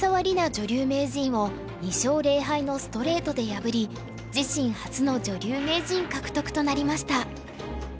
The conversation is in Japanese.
女流名人を２勝０敗のストレートで破り自身初の女流名人獲得となりました。